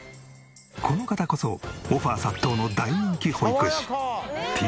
この方こそオファー殺到の大人気保育士てぃ